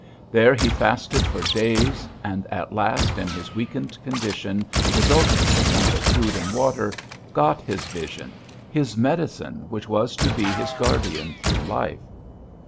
There he fasted for days, and at last, in his weakened condition resulting from want of food and water, got his vision, his medicine which was to be his guardian through life.